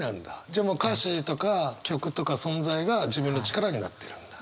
じゃあもう歌詞とか曲とか存在が自分の力になっているんだ？